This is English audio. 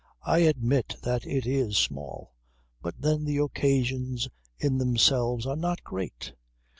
I admit that it is small. But then the occasions in themselves are not great.